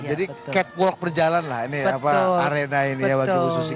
jadi catwalk berjalan lah ini apa arena ini ya bagi ibu susi